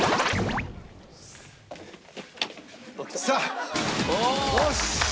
さあよし！